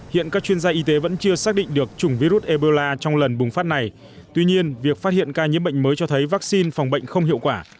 hiện các chuyên gia y tế vẫn chưa xác định được chủng virus ebola trong lần bùng phát này tuy nhiên việc phát hiện ca nhiễm bệnh mới cho thấy vaccine phòng bệnh không hiệu quả